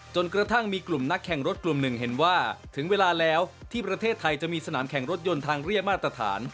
กระทั่งมีกลุ่มนักแข่งรถกลุ่มหนึ่งเห็นว่าถึงเวลาแล้วที่ประเทศไทยจะมีสนามแข่งรถยนต์ทางเรียบมาตรฐาน